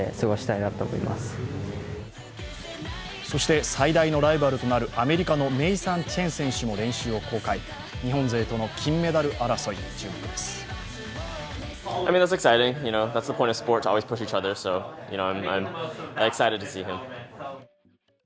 そして、最大のライバルとなるアメリカのネイサン・チェン選手も練習を公開日本勢との金メダル争いに注目です。